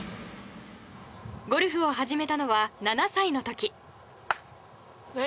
ゴルフを始めたのは７歳の時。